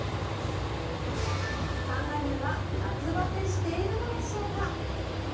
カンガルーは夏バテしているのでしょうか。